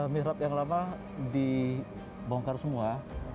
mihrab yang lama dibongkar semua